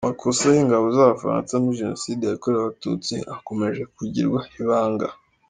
Amakosa y’ingabo z’Abafaransa muri Jenoside yakorewe Abatutsi akomeje kugirwa ibanga